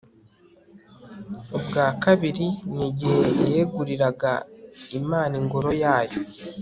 ubwa kabiri ni igihe yeguriraga imana ingoro yayo